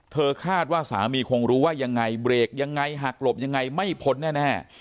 คาดว่าสามีคงรู้ว่ายังไงเบรกยังไงหักหลบยังไงไม่พ้นแน่